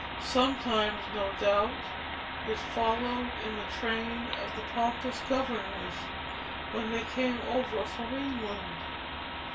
Sometimes, no doubt, it followed in the train of the pompous governors, when they came over from England.